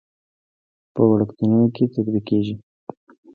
په وړکتونونو کې تطبیقېږي.